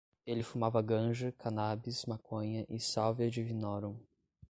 Ele fumava ganja, cannabis, maconha e salvia divinorum